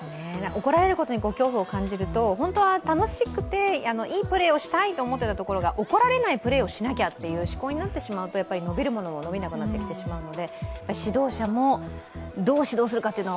怒られることに恐怖を感じると、本当は楽しくて、いいプレーをしたいと思っていたところが怒られないプレーをしなきゃという思考になってしまうと伸びるものも伸びなくなってきてしまうので。